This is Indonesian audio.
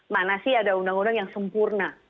mana sih ada undang undang yang sempurna